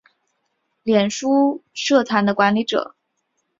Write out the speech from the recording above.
脸书社团的管理者